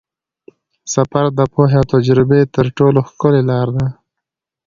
سفر د پوهې او تجربې تر ټولو ښکلې لاره ده.